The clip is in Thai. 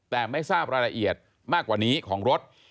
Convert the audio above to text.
แต่ไม่ทราบรายละเอียดมากกว่านี้ของรถ